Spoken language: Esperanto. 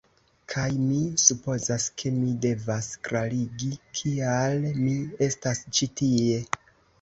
Kaj mi supozas, ke mi devas klarigi kial mi estas ĉi tie